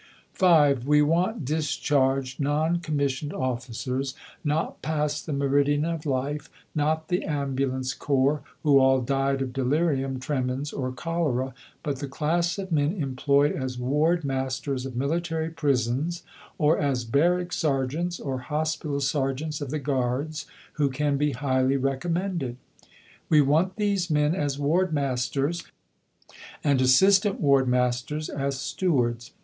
(5) We want discharged Non Commissioned Officers, not past the meridian of life not the Ambulance Corps, who all died of delirium tremens or cholera but the class of men employed as Ward Masters of Military Prisons, or as Barrack Sergeants, or Hospital Sergeants of the Guards who can be highly recommended. We want these men as Ward Masters and Assistant Ward Masters as Stewards.